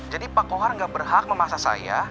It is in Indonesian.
jadi pak kohar nggak berhak memahas saya